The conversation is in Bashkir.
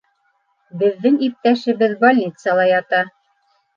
- Беҙҙең иптәшебеҙ больницала ята.